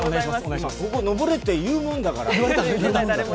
ここ上れって言うもんだから。